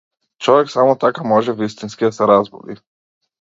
Човек само така може вистински да се разбуди.